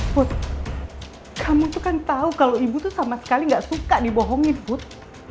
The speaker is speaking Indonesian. pus kamu tuh kan tahu kalau ibu tuh sama sekali gak suka dibohongin put